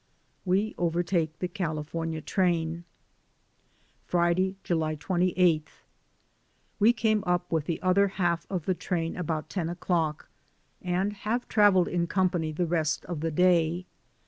WE OVERTAKE THE CALIFORNIA TRAIN. Friday, July 28. We came up with the other half of the train about ten o'clock, and have traveled in company the rest of the day.